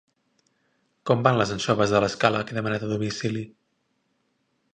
Com van les anxoves de l'escala que he demanat a domicili?